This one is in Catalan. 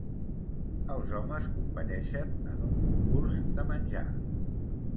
Els homes competeixen en un concurs de menjar.